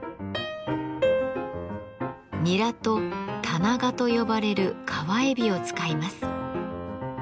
ニラとタナガと呼ばれる川エビを使います。